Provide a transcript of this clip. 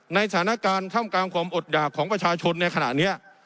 สถานการณ์ท่ามกลางความอดหยากของประชาชนในขณะนี้